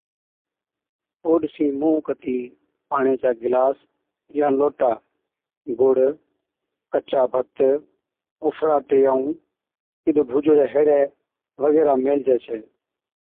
ڇَي او ڏِسِين منھن ڪَتِي پاڻيا چا گلاس يا لوٽا، گُڙ، ڪچا ڀَتَ، اُڦراٽي ائُون ڪِڏَ ڀُوجوڙي ھيڙي وغيره ميلهجي ڇَي